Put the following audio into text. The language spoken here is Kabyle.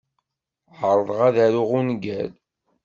Ɛerḍeɣ ad aruɣ ungal.